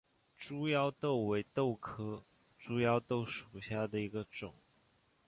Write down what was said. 猪腰豆为豆科猪腰豆属下的一个种。